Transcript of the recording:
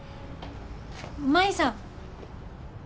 舞さん。